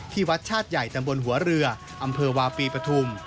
วัดชาติใหญ่ตำบลหัวเรืออำเภอวาปีปฐุม